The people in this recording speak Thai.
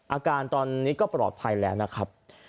อาการตอนนี้ก็ปลอดภัยแล้วนะครับ